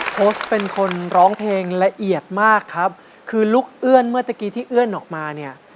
โพสต์เป็นคนร้องเพลงละเอียดมากครับคือลูกเอื้อนเมื่อตะกี้ที่เอื้อนออกมาเนี่ย